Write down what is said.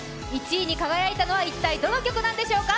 １位に輝いたのは一体どの曲なんでしょうか？